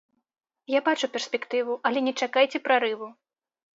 Я бачу перспектыву, але не чакайце прарыву.